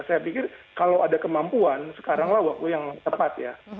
saya pikir kalau ada kemampuan sekaranglah waktu yang tepat ya